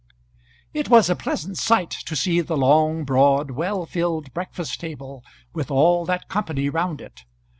It was a pleasant sight to see, the long, broad, well filled breakfast table, with all that company round it.